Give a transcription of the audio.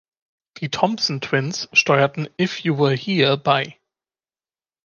Die Thompson Twins steuerten „If You Were Here“ bei.